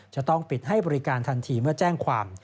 จะต้องปิดให้บริการทันทีเมื่อแจ้งความ